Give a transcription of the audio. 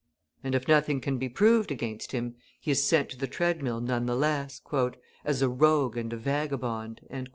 And if nothing can be proved against him, he is sent to the treadmill, none the less, "as a rogue and a vagabond."